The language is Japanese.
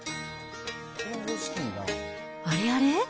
あれあれ？